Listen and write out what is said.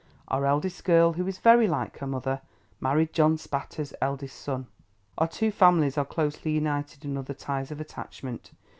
Our eldest girl, who is very like her mother, married John Spatter's eldest son. Our two families are closely united in other ties of attachment.